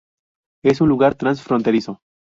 Es un lugar transfronterizo.